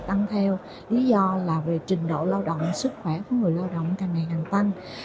tăng theo lý do là về trình độ lao động sức khỏe của người lao động càng ngày càng tăng